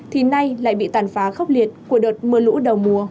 thì nay lại bị tàn phá khốc liệt của đợt mưa lũ đầu mùa